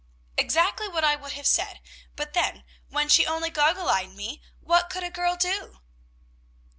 "Exactly what I would have said; but then, when she only goggle eyed me, what could a girl do?"